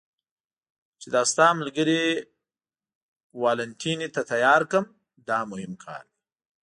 چې تا ستا ملګري والنتیني ته تیار کړم، دا مهم کار دی.